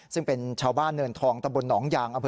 ซึ่งเป็นชาวบ้านเนินทองตะบลนองยาง